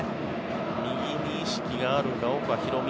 右に意識がある岡大海